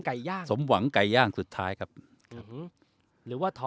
ไก่ย่างสมหวังไก่ย่างสุดท้ายครับหือหือหรือว่าทอ